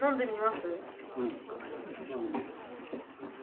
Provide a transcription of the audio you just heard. うん飲んでみる。